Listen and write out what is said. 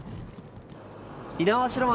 猪苗代町